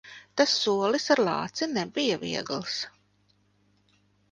Tas solis ar lāci nebija viegls.